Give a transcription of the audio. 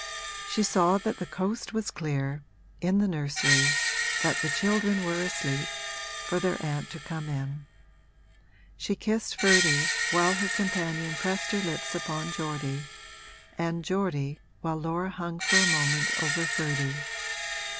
She saw that the coast was clear, in the nursery that the children were asleep, for their aunt to come in. She kissed Ferdy while her companion pressed her lips upon Geordie, and Geordie while Laura hung for a moment over Ferdy.